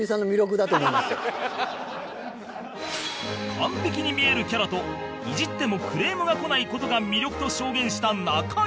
完璧に見えるキャラとイジってもクレームが来ない事が魅力と証言した中居